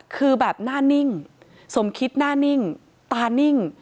คือแบบหน้านิ่งสมคิดหน้านิ่งตานิ่ง